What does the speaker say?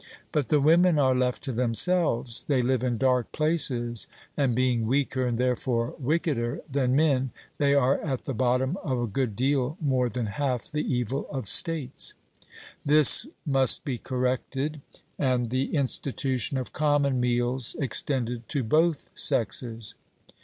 But the women are left to themselves; they live in dark places, and, being weaker, and therefore wickeder, than men, they are at the bottom of a good deal more than half the evil of states. This must be corrected, and the institution of common meals extended to both sexes.